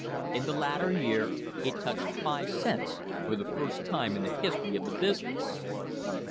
In the latter year it touched five cents for the first time in the history of the business.